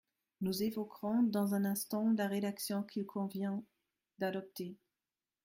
Nous évoquerons dans un instant la rédaction qu’il convient d’adopter.